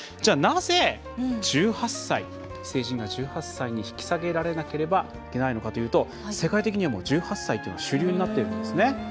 なぜ、成人が１８歳に引き下げられなければいけないのかというと世界的にも１８歳というのは主流になっているんですね。